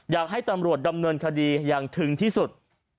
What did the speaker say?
อยากให้ตำรวจดำเนินคดีอย่างถึงที่สุด